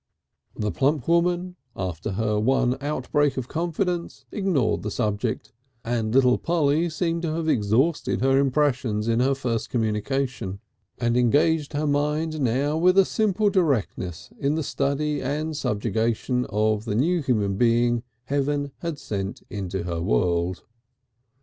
The plump woman, after her one outbreak of confidence, ignored the subject, and little Polly seemed to have exhausted her impressions in her first communication, and engaged her mind now with a simple directness in the study and subjugation of the new human being Heaven had sent into her world.